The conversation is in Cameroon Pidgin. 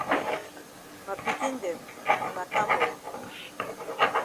Ma pikin dem wuna kam oo.